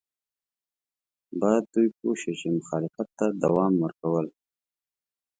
باید دوی پوه شي چې مخالفت ته دوام ورکول.